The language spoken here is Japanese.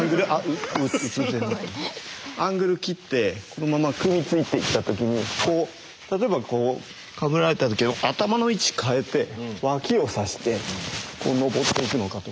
アングル切ってこのまま組みついていった時に例えばこうかぶられた時頭の位置変えて脇をさして上っていくのかとか。